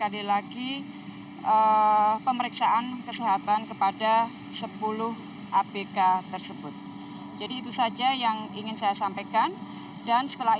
terima kasih pemeriksaan kesehatan kepada sepuluh abk tersebut jadi itu saja yang ingin saya sampaikan dan setelah